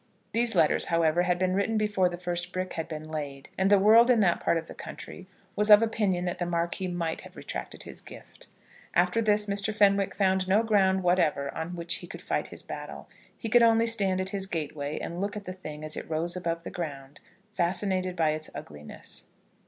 These letters, however, had been written before the first brick had been laid, and the world in that part of the country was of opinion that the Marquis might have retracted his gift. After this Mr. Fenwick found no ground whatever on which he could fight his battle. He could only stand at his gateway, and look at the thing as it rose above the ground, fascinated by its ugliness.